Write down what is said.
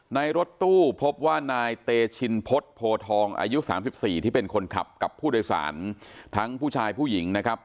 ในรถตู้พบว่านายเตชินพฤษโพทองอายุ๓๔ที่เป็นคนขับกับผู้โดยสารทั้งผู้ชายผู้หญิงนะครับ